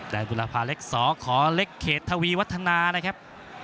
บุรพาเล็กสขเล็กเขตทวีวัฒนานะครับ